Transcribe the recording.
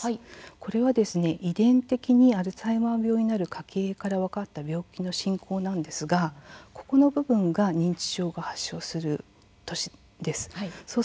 これは、遺伝的にアルツハイマー病になる家系から分かった病気の進行なんですがこの部分が認知症が発症する年です。